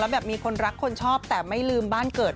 แบบมีคนรักคนชอบแต่ไม่ลืมบ้านเกิด